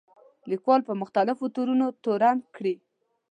لیکوال په مختلفو تورونو تورن کړي.